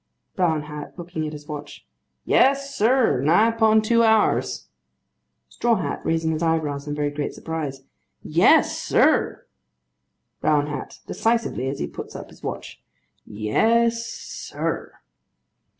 BROWN HAT. (Looking at his watch.) Yes, sir; nigh upon two hours. STRAW HAT. (Raising his eyebrows in very great surprise.) Yes, sir! BROWN HAT. (Decisively, as he puts up his watch.) Yes, sir.